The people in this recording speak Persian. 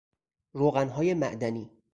روغنهای معدنی